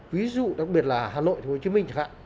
ví dụ đặc biệt là hà nội hồ chí minh